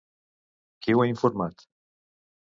Qui ho ha informat?